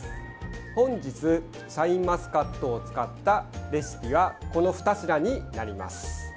本日シャインマスカットを使ったレシピはこの２品になります。